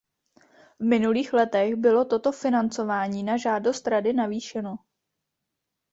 V minulých letech bylo toto financování na žádost Rady navýšeno.